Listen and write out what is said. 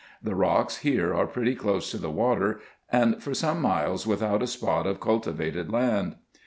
The rocks here are pretty close to the water, and for some miles without a spot of cultivated land.